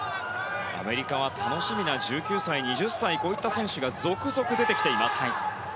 アメリカは楽しみな１９歳、２０歳こういった選手が続々、出てきています。